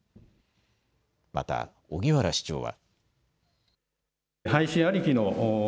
また、荻原市長は。